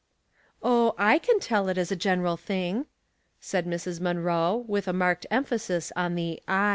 " Oh, / can tell it as a general thing," said Mrs. Munroe with marked emphasis on the "J."